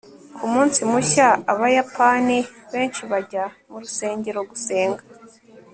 ku munsi mushya, abayapani benshi bajya mu rusengero gusenga